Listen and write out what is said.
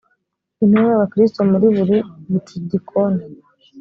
intumwa y abakristo muri buri bucidikoni